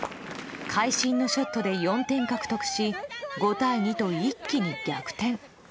会心のショットで４点獲得し、５対２と一気に逆転。